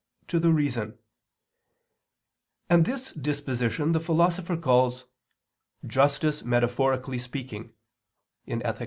to the reason; and this disposition the Philosopher calls "justice metaphorically speaking" (Ethic.